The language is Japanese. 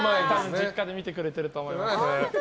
実家で見てくれてると思います。